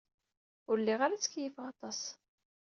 Ur lliɣ ara ttkeyyifeɣ aṭas.